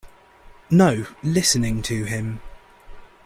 No, listening to him.